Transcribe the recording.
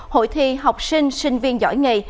hội thi học sinh sinh viên giỏi nghề